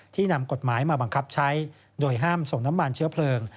นำกฎหมายมาบังคับใช้โดยห้ามส่งน้ำมันเชื้อเพลิง